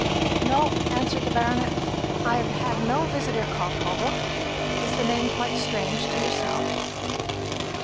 "No," answered the baronet; "I have had no visitor called Holbrook. Is the name quite strange to yourself?"